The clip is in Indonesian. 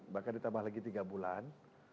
bahkan ditambah lagi tiga bulan